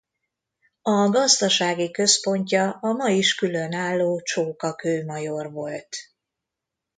A gazdasági központja a ma is különálló Csókakő major volt.